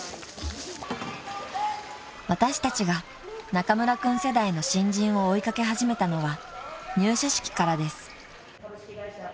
［私たちが中村君世代の新人を追いかけ始めたのは入社式からです］